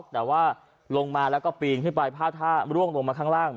แต่ว่าลงมาแล้วก็ปีนขึ้นไปผ้าท่าร่วงลงมาข้างล่าง